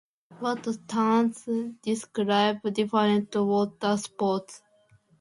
[unintelligible] describe [unintelligible] watersports.